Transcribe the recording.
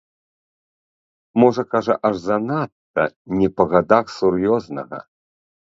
Можа, кажа, аж занадта, не па гадах сур'ёзнага.